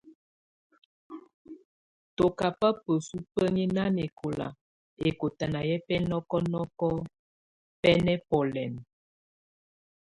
Tɔ kaba bəsu bəŋi nanɛkɔla ɛkɔtana yɛ bɛnɔkɔnɔkɔ bɛ nɛbɔlɛn.